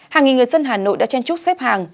hàng nghìn người dân hà nội đã chen chúc xếp hàng